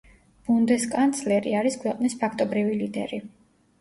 ბუნდესკანცლერი არის ქვეყნის ფაქტობრივი ლიდერი.